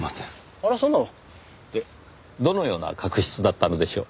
あらそうなの？でどのような確執だったのでしょう？